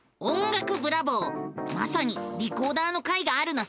まさにリコーダーの回があるのさ！